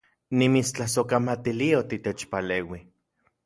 Nimitstlasojkamatilia otitechpaleui